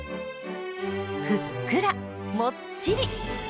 ふっくらもっちり！